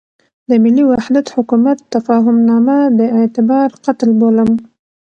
د ملي وحدت حکومت تفاهمنامه د اعتبار قتل بولم.